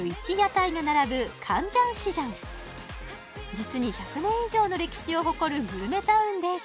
実に１００年以上の歴史を誇るグルメタウンです